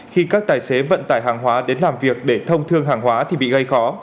khi các tài xế vận tải hàng hóa đến làm việc để thông thương hàng hóa thì bị gây khó